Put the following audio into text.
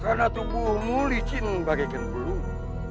karena tubuhmu licin bagaikan belung